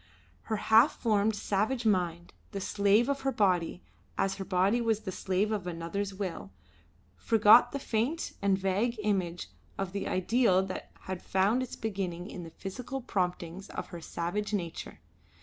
Her half formed, savage mind, the slave of her body as her body was the slave of another's will forgot the faint and vague image of the ideal that had found its beginning in the physical promptings of her savage nature.